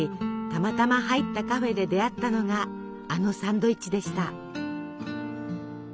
たまたま入ったカフェで出会ったのがあのサンドイッチでした。